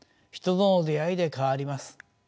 人との出会いで変わります。